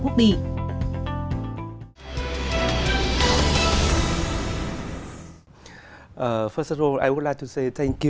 nhưng chúng ta cũng có